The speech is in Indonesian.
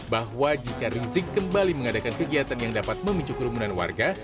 bahwa jika rizik kembali mengadakan kegiatan yang dapat memicu kerumunan warga